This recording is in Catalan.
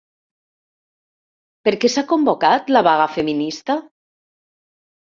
Per què s'ha convocat la vaga feminista?